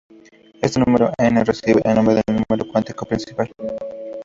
Este número "n" recibe el nombre de "número cuántico principal".